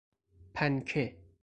پنکه